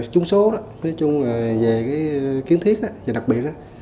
chúng số về kiến thiết đặc biệt